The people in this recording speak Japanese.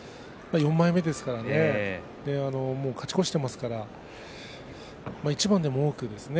４枚目ですから勝ち越していますから一番でも多くですね